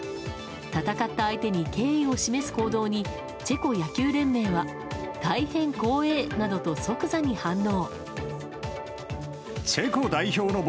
戦った相手に敬意を示す行動にチェコ野球連盟は大変光栄！などと即座に反応。